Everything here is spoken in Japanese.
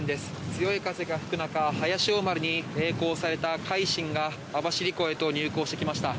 強い風が吹く中「早潮丸」に曳航された「海進」が網走港へと入港してきました。